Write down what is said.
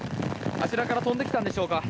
あちらから飛んできたんでしょうか。